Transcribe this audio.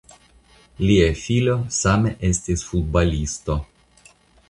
Lia filo same estis futbalisto.